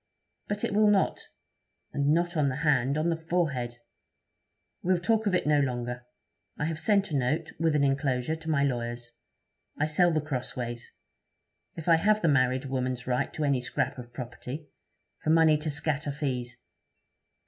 But it will not. And not on the hand on the forehead! We'll talk of it no longer. I have sent a note, with an enclosure, to my lawyers. I sell The Crossways, if I have the married woman's right to any scrap of property, for money to scatter fees.'